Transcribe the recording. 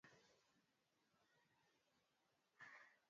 Baadae Obama alifanikiwa kurudi nchini Marekani